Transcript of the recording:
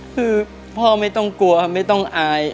คือพ่อไม่ต้องกลัวไม่ต้องอาย